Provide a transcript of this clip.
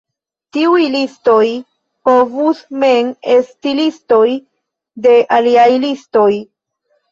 Tiuj listoj povus mem esti listoj de aliaj listoj.